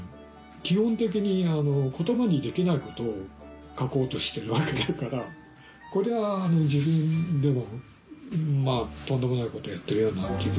基本的に言葉にできないことを書こうとしてるわけだからこれは自分でもとんでもないことをやってるような気がするよね。